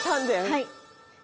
はい。